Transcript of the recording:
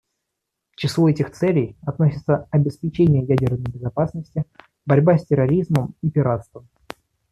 К числу этих целей относятся обеспечение ядерной безопасности, борьба с терроризмом и пиратством.